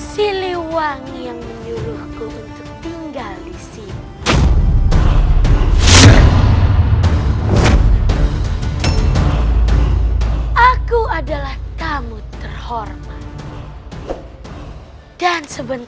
siliwangi yang menyuruhku untuk tinggal disini